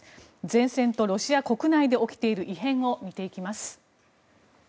前線とロシア国内で起きている異変を見ていきます。